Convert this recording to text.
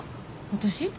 私？